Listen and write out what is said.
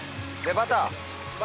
バター！